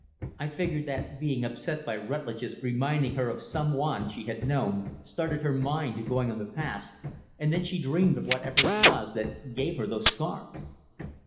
I figured that being upset by Rutlidge's reminding her of some one she had known started her mind to going on the past and then she dreamed of whatever it was that gave her those scars."